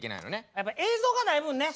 やっぱり映像がない分ね。